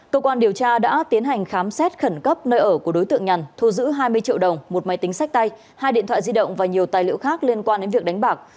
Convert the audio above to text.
cơ quan điều tra đã tiến hành khám xét khẩn cấp nơi ở của đối tượng nhàn thu giữ hai mươi triệu đồng một máy tính sách tay hai điện thoại di động và nhiều tài liệu khác liên quan đến việc đánh bạc